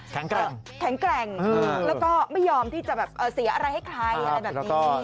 แข็งแกร่งแล้วก็ไม่ยอมที่จะแบบเสียอะไรให้ใครอะไรแบบนี้